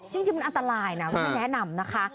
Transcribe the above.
จริงมันอันตรายนะคุณแม่แนะนำนะคะ